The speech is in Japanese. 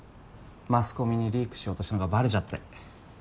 マスコミにリークしようとしたのがバレちゃって。